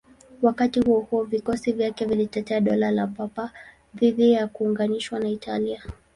Wakati huo huo, vikosi vyake vilitetea Dola la Papa dhidi ya kuunganishwa na Italia.